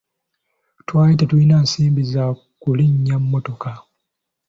Twali tetulina nsimbi za kulinnya mmotoka.